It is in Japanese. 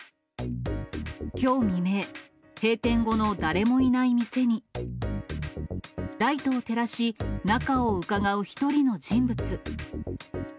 きょう未明、閉店後の誰もいない店に、ライトを照らし、中をうかがう１人の人物。